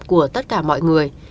của tất cả mọi người